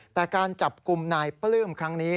แต่การจับกลุ่มนายปลื้มครั้งนี้